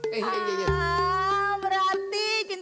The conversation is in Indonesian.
ah berarti cinta romlah diterima sama abang